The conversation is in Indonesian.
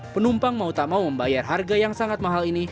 penumpang mau tak mau membayar harga yang sangat mahal ini